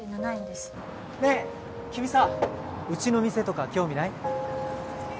ねえ君さうちの店とか興味ない？